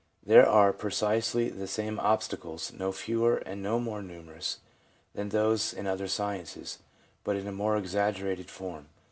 They are precisely the same obstacles, no fewer and no more numerous, than those in other sciences, but in a more exaggerated form.